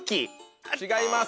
違います。